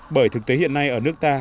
bởi thực tế hiện nay ở nước ta